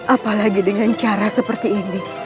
apalagi dengan cara seperti ini